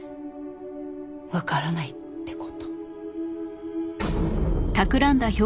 わからないって事。